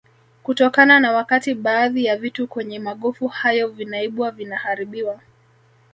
kutokana na wakati baadhi ya vitu kwenye magofu hayo vinaibwa vinaharibiwa